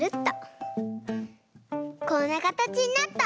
こんなかたちになった！